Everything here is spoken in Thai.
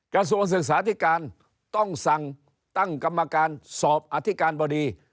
กระทรวงศึกษาธิการต้องสั่งตั้งกรรมการสอบอธิการบดี